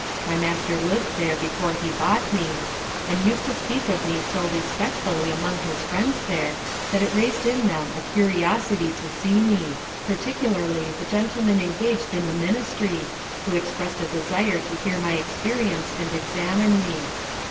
My Master lived there before he bought me, and used to speak of me so respectfully among his friends there, that it raised in them a curiosity to see me; particularly the Gentlemen engaged in the Ministry, who expressed a desire to hear my experience and examine me.